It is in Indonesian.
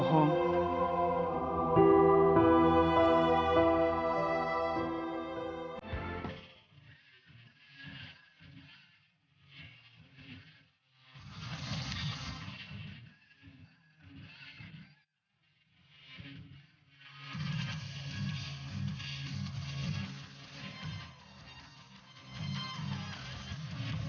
gak nyanyi si minta buq place ya ya guys